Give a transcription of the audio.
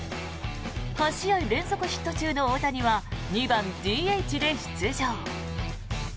８試合連続ヒット中の大谷は２番ＤＨで出場。